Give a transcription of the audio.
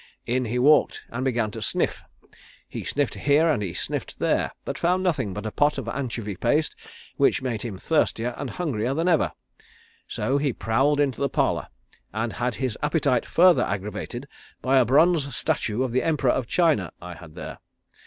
In he walked, and began to sniff. He sniffed here and he sniffed there, but found nothing but a pot of anchovy paste, which made him thirstier and hungrier than ever. So he prowled into the parlour, and had his appetite further aggravated by a bronze statue of the Emperor of China I had there.